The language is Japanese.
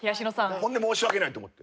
ほんで申し訳ないと思って。